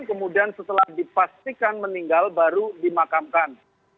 kemudian setelah dipastikan meninggal baru dimakamkan